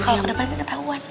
kalau udah banget ketauan